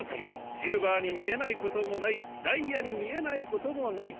シルバーにみえないこともないダイヤにみえないこともない